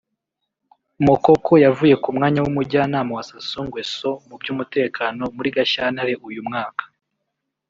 Mokoko yavuye ku mwanya w’umujyanama wa Sassou Nguesso mu by’umutekano muri Gashyantare uyu mwaka